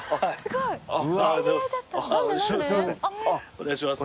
お願いします。